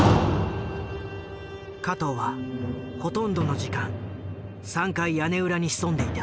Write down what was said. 加藤はほとんどの時間３階屋根裏に潜んでいた。